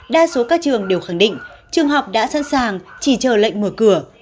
đa số các trường đều khẳng định trường học đã sẵn sàng chỉ chờ lệnh mở cửa